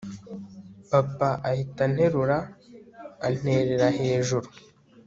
papa ahita anterura anterera hejuru